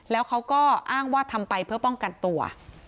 แล้วเขาก็อ้างว่าทำไปเพื่อป้องกันตัว